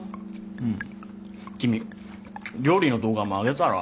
うん君料理の動画もあげたら？